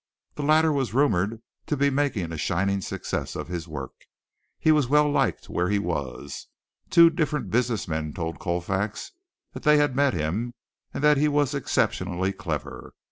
The latter was rumored to be making a shining success of his work. He was well liked where he was. Two different business men told Colfax that they had met him and that he was exceptionally clever.